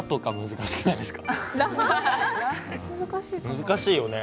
難しいよね？